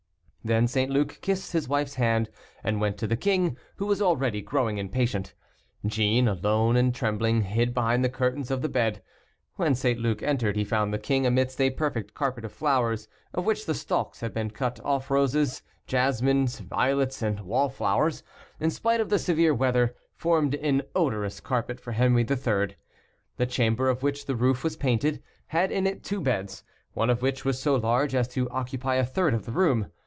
Then St. Luc kissed his wife's hand, and went to the king, who was already growing impatient. Jeanne, alone and trembling, hid behind the curtains of the bed. When St. Luc entered he found the king amidst a perfect carpet of flowers, of which the stalks had been cut off roses, jasmine, violets, and wall flowers, in spite of the severe weather, formed an odorous carpet for Henry III. The chamber, of which the roof was painted, had in it two beds, one of which was so large as to occupy a third of the room.